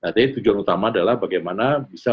artinya tujuan utama adalah bagaimana bisa